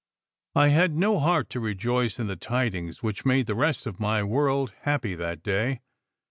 I had no heart to rejoice in the tidings which made the rest of my world happy that day.